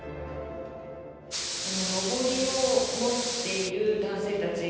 のぼりを持っている男性たち